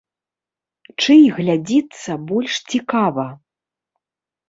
Чый глядзіцца больш цікава?